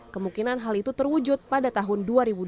kemungkinan hal itu terwujud pada tahun dua ribu dua puluh